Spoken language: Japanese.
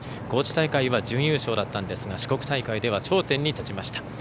高知大会は準優勝だったんですが四国大会では頂点に立ちました。